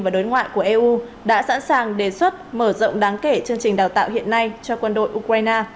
và đối ngoại của eu đã sẵn sàng đề xuất mở rộng đáng kể chương trình đào tạo hiện nay cho quân đội ukraine